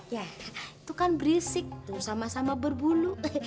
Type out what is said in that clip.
itu kan berisik sama sama berbulu